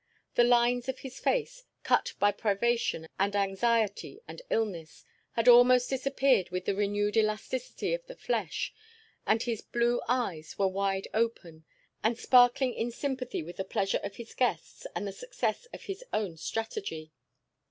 The lines of his face, cut by privation and anxiety and illness, had almost disappeared with the renewed elasticity of the flesh, and his blue eyes were wide open, and sparkling in sympathy with the pleasure of his guests and the success of his own strategy.